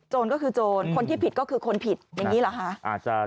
ก็คือโจรคนที่ผิดก็คือคนผิดอย่างนี้เหรอคะ